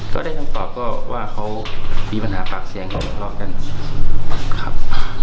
ก็ได้คำตอบก็ว่าเขามีปัญหาปากเสียงทั้งหมดกันครับ